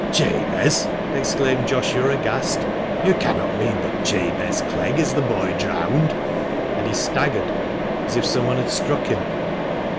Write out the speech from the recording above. " Jabez ?" exclaimed Joshua aghast, " you cannot mean that Jabez Clegg is the boy drowned !" and he staggered as if some one had struck him.